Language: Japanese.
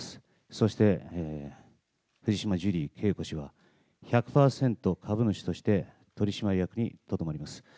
そして、藤島ジュリー景子氏は１００％株主として取締役にとどまります。